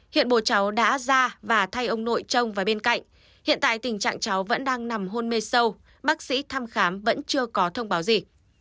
hiện bố cháu đã ra và thay ông nội trông vào bên cạnh hiện tại tình trạng cháu vẫn đang nằm hôn mê sâu bác sĩ thăm khám vẫn chưa có thông báo gì